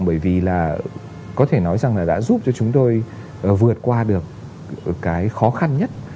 bởi vì là có thể nói rằng là đã giúp cho chúng tôi vượt qua được cái khó khăn nhất